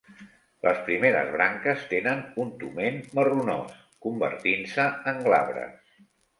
Les primeres branques tenen un toment marronós, convertint-se en glabres.